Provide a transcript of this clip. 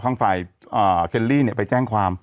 ฝั่งฝ่ายอ่าเคลลี่เนี้ยไปแจ้งความ